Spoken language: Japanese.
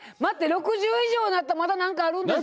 ６０以上になるとまだ何かあるんですか？